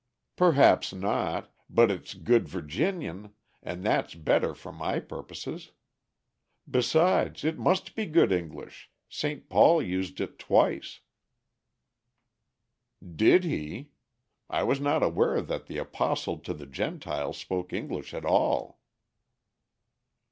"Perhaps not, but it's good Virginian, and that's better for my purposes. Besides, it must be good English. St. Paul used it twice." "Did he? I was not aware that the Apostle to the Gentiles spoke English at all."